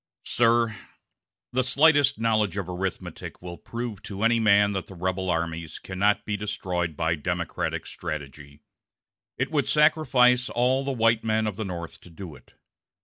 "Sir, the slightest knowledge of arithmetic will prove to any man that the rebel armies cannot be destroyed by Democratic strategy. It would sacrifice all the white men of the North to do it.